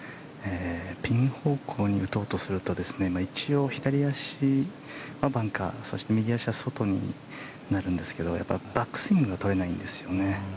ピン方向に打とうとすると一応、左足はバンカーそして、右足は外になるんですけどやっぱりバックスイングがとれないんですね。